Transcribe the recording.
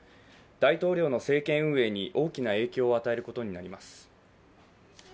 大統領の政権運営に大きな影響を与えることになります。